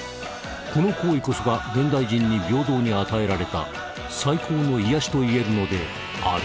この行為こそが現代人に平等に与えられた最高の癒やしといえるのである